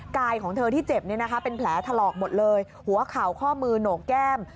ของเธอที่เจ็บเป็นแผลถลอกหมดเลยหัวเข่าข้อมือโหนกแก้ม